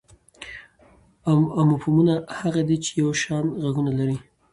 اموفونونه هغه دي، چي یو شان ږغونه لري.